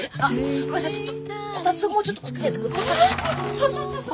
そうそうそうそう。